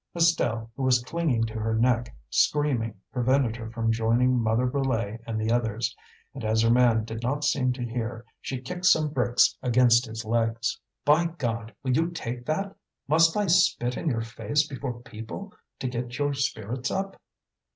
Estelle, who was clinging to her neck, screaming, prevented her from joining Mother Brulé and the others. And as her man did not seem to hear, she kicked some bricks against his legs. "By God! will you take that? Must I spit in your face before people to get your spirits up?"